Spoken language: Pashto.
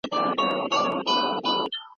ایا ستا مقاله په کومه ویب پاڼه کي خپره سوي ده؟